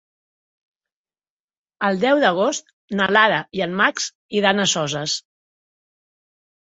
El deu d'agost na Lara i en Max iran a Soses.